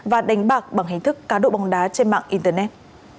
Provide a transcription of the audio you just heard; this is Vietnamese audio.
và đánh bạc bằng hình thức cá độ bóng đá trên mạng internet